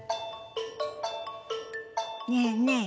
ねえねえ